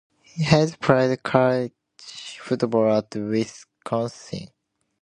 Hayes played college football at Wisconsin.